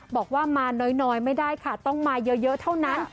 บอกว่ามาน้อยไม่ได้ค่ะต้องมาเยอะเท่านั้น